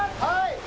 はい